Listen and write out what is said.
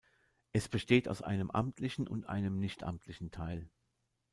Es besteht aus einem amtlichen und einen nicht amtlichen Teil.